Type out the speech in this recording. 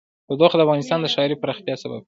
تودوخه د افغانستان د ښاري پراختیا سبب کېږي.